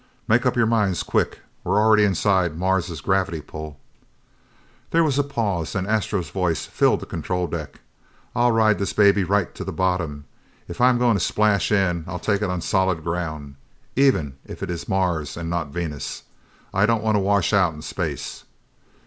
Make up your minds quick, we're already inside Mars's gravity pull!" There was a pause, then Astro's voice filled the control deck. "I'll ride this baby right to the bottom. If I'm going to splash in, I'll take it on solid ground, even if it is Mars and not Venus. I don't want to wash out in space!"